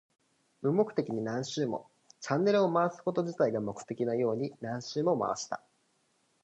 無目的に何周も。チャンネルを回すこと自体が目的のように何周も回した。